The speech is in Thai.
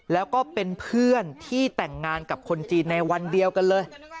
แล้วก็เป็นเพื่อนที่แต่งงานกับคนจีนในวันเดียวกันเลย